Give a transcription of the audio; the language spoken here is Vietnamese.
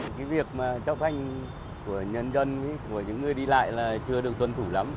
cái việc mà cho phanh của nhân dân của những người đi lại là chưa được tuân thủ lắm